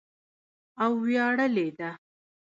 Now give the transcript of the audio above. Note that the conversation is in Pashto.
او ویاړلې ده.